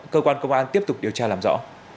cơ quan công an tiếp tục điều tra làm rõ